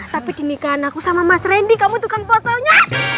tapi di nikahan aku sama mas randy kamu tuh kan fotonya